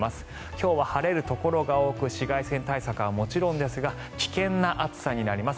今日は晴れるところが多く紫外線対策はもちろんですが危険な暑さになります。